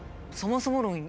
そもそも論